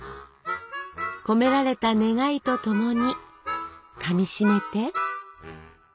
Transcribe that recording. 込められた願いと共にかみしめて！